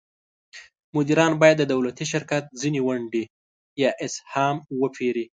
مدیران باید د دولتي شرکت ځینې ونډې یا اسهام وپیري.